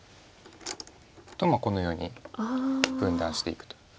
とこのように分断していくと。